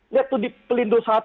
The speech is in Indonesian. nggak tuh di pelindo satu